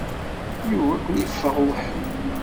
Yugi ad ken-iffeɣ ubeḥri.